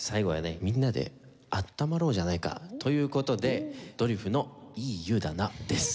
みんなで温まろうじゃないかという事でドリフの『いい湯だな』です。